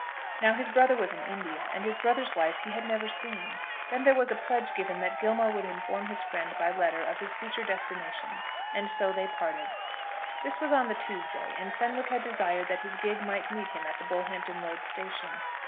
Now his brother was in India, and his brother's wife he had never seen. Then there was a pledge given that Gilmore would inform his friend by letter of his future destination, and so they parted. This was on the Tuesday, and Fenwick had desired that his gig might meet him at the Bullhampton Road station.